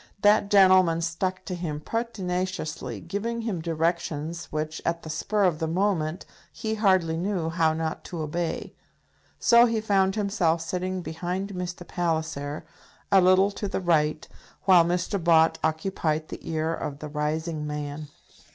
That gentleman stuck to him pertinaciously, giving him directions which, at the spur of the moment, he hardly knew how not to obey. So he found himself sitting behind Mr. Palliser, a little to the right, while Mr. Bott occupied the ear of the rising man.